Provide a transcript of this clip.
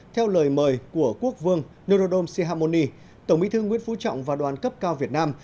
theo lời mời của quốc vương norodom sihamoni tổng bí thư nguyễn phú trọng và đoàn cấp cao việt nam